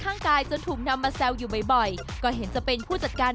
ข้างกายจนถูกนำมาแซวอยู่บ่อยบ่อยก็เห็นจะเป็นผู้จัดการ